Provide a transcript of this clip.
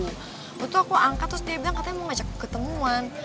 waktu aku angkat terus dia bilang katanya mau ngajak ketemuan